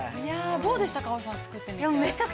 どうでしたか、葵さん作ってみて。